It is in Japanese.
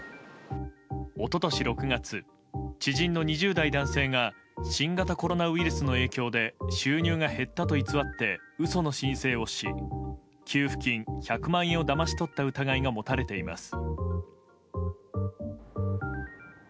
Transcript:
一昨年６月、知人の２０代男性が新型コロナウイルスの影響で収入が減ったと偽って嘘の申請をし給付金１００万円をだまし取った疑いが持たれています。